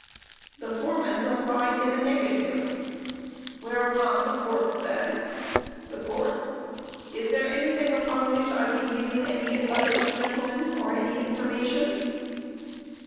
The foreman replied in the negative, whereupon the Court said: THE COURT: Is there anything upon which I can give you any advice, gentlemen, or any information?